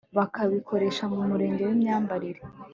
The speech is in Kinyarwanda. bakabikoresha mu murengwe wimyambarire